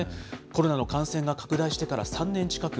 コロナの感染が拡大してから３年近く。